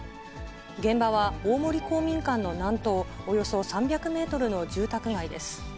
現場は大森公民館の南東およそ３００メートルの住宅街です。